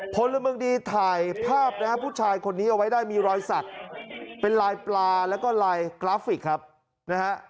พลเมืองดีถ่ายภาพนะฮะผู้ชายคนนี้เอาไว้ได้มีรอยสักเป็นลายปลาแล้วก็ลายกราฟิกครับนะฮะ